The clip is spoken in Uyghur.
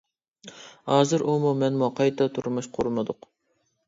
ھازىر ئۇمۇ، مەنمۇ قايتا تۇرمۇش قۇرمىدۇق.